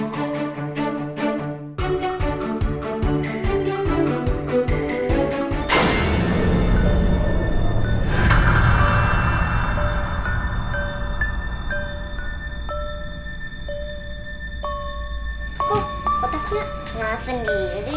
kenapa kotaknya nyala sendiri